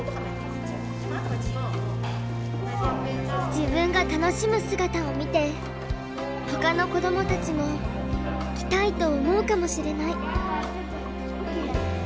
自分が楽しむ姿を見てほかの子どもたちも来たいと思うかもしれない。